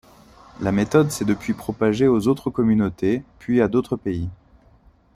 La méthode s'est depuis propagée aux autres communautés, puis à d'autres pays.